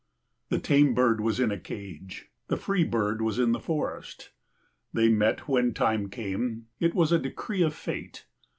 6 The tame bird was in a cage, the free bird was in the forest. They met when the time came, it was a decree of fate.